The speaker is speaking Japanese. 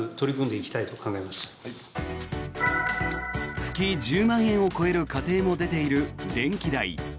月１０万円を超える家庭も出ている電気代。